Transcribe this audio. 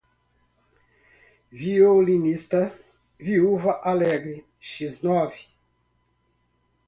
violinista, viúva alegre, x nove